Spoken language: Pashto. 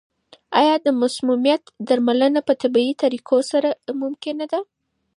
آیا د مسمومیت درملنه په طبیعي طریقو سره ممکنه ده؟